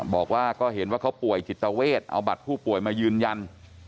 บอกว่าก็เห็นว่าเขาป่วยจิตเวทเอาบัตรผู้ป่วยมายืนยัน